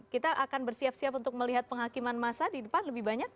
kita akan bersiap siap untuk melihat penghakiman masa di depan lebih banyak